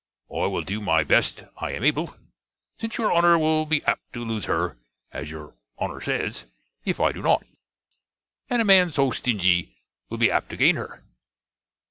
I wil do my best I am able, since your Honner will be apt to lose her, as your Honner says, if I do not; and a man so stingie will be apt to gain her.